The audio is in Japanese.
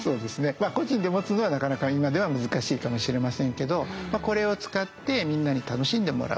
まあ個人で持つのはなかなか今では難しいかもしれませんけどこれを使ってみんなに楽しんでもらう。